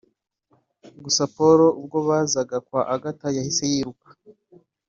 gusa Paul ubwo bazaga kwa Agatha yahise yiruka